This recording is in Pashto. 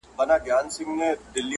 دوی په هر حالت کې د خپلو لوبغاړو